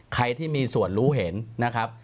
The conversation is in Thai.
ใครที่มีส่วนรู้เห็นนะครับ